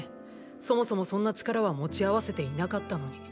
そもそもそんな力は持ち合わせていなかったのに。